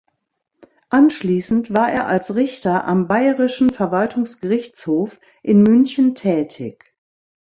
Anschließend war er als Richter am Bayerischen Verwaltungsgerichtshof in München tätig.